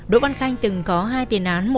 đỗ văn khanh từng có hai tiền án